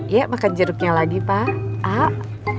ya makan jeruknya lagi pak